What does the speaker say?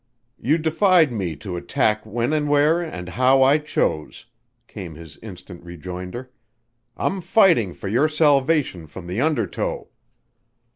"You defied me to attack when and where and how I chose," came his instant rejoinder. "I'm fighting for your salvation from the undertow."